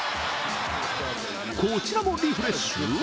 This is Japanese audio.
こちらもリフレッシュ？